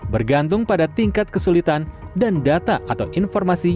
bergantung pada tingkat kesulitan dan data atau informasi